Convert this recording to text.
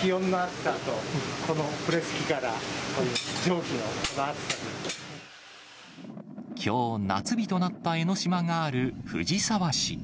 気温の暑さと、このプレス機から、きょう、夏日となった江の島がある藤沢市。